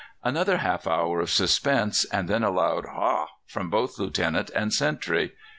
"Another half hour of suspense, and then a loud "Ha!" from both Lieutenant and sentry.